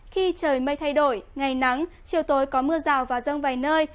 khi trời mây thay đổi ngày nắng chiều tối có mưa rào và rông vài nơi